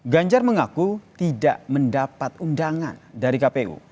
ganjar mengaku tidak mendapat undangan dari kpu